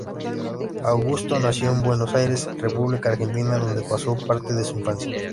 Augusto nació en Buenos Aires, República Argentina donde paso parte de su infancia.